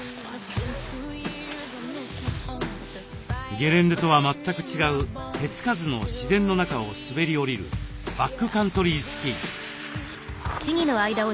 ゲレンデとは全く違う手付かずの自然の中を滑り降りるバックカントリースキー。